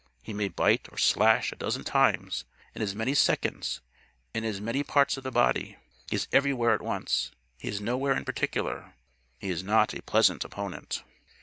He may bite or slash a dozen times in as many seconds and in as many parts of the body. He is everywhere at once he is nowhere in particular. He is not a pleasant opponent.